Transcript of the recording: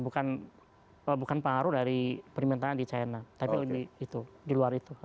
bukan pengaruh dari permintaan di china tapi lebih itu di luar itu